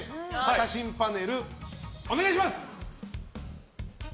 写真パネルをお願いします。